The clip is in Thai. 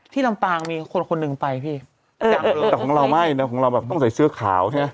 ลำปางมีคนคนหนึ่งไปพี่แต่ของเราไม่นะของเราแบบต้องใส่เสื้อขาวใช่ไหม